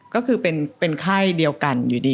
ก็คือเป็นไข้เดียวกันอยู่ดี